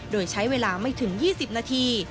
โดยใช้เวลาไม่ถึง๒๐นาที